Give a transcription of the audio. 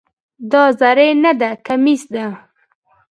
دا زری نده، کمیس ده.